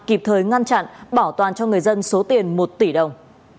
kịp thời ngăn chặn bảo toàn cho người dân số tiền một tỷ đồng